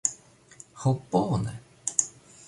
Ho bone!